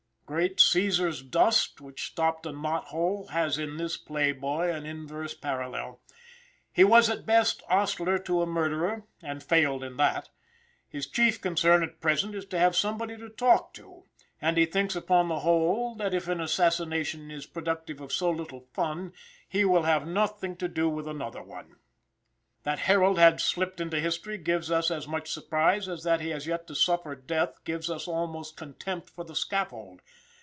Great Caesar's dust, which stopped a knot hole, has in this play boy an inverse parallel. He was at best hostler to a murderer, and failed in that. His chief concern at present is to have somebody to talk to; and he thinks upon the whole, that if an assassination is productive of so little fun, he will have nothing to do with another one. That Harold has slipped into history gives us as much surprise as that he has yet to suffer death gives us almost contempt for the scaffold.